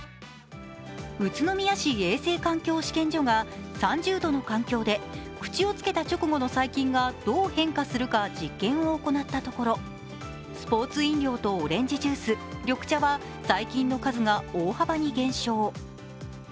宇都宮市衛生環境試験所が３０度の環境で口をつけた直後の細菌がどう変化するか実験を行ったところスポーツ飲料とオレンジジュース、緑茶は細菌の数が大幅に減少。